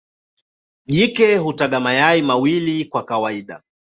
Jike huyataga mayai mawili kwa kawaida.